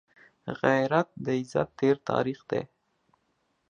غیرت د عزت تېر تاریخ دی